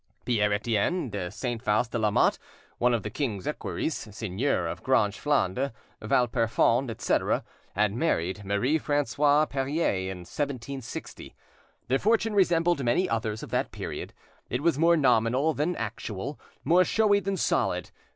Pierre Etienne de Saint Faust de Lamotte, one of the king's equerries, seigneur of Grange Flandre, Valperfond, etc., had married Marie Francoise Perier in 1760. Their fortune resembled many others of that period: it was more nominal than actual, more showy than solid.